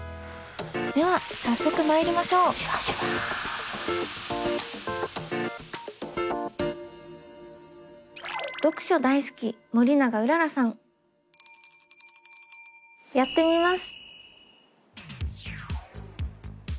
では早速まいりましょうやってみます。